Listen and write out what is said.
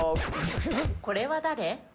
これは誰？